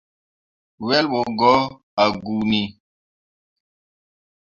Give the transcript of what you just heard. Wel ɓo ko ah guuni.